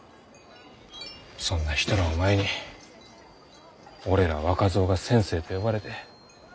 そんな人らを前に俺ら若造が「先生」と呼ばれて。